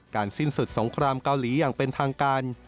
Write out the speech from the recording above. สิ้นสุดสงครามเกาหลีอย่างเป็นทางการ